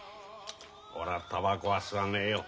俺はタバコは吸わねえよ。